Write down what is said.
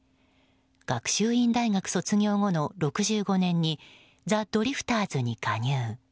学習院大学卒業後の６５年にザ・ドリフターズに加入。